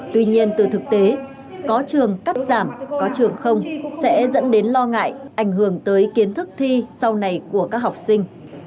tuy nhiên từ thực tế có trường cắt giảm có trường không sẽ dẫn đến lo ngại ảnh hưởng tới kiến thức thi sau này của các học sinh